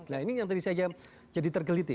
nah ini yang tadi saya jadi tergeliti